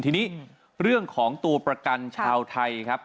ทีนี้เรื่องของตัวประกันชาวไทยครับ